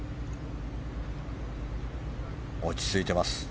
落ち着いています。